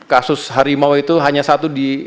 kasus harimau itu hanya satu di